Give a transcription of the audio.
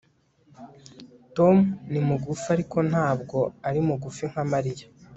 Tom ni mugufi ariko ntabwo ari mugufi nka Mariya